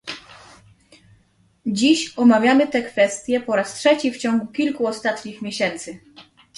Dziś omawiamy te kwestie po raz trzeci w ciągu kilku ostatnich miesięcy